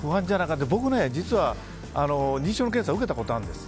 実は僕も認知症の検査受けたことあるんです。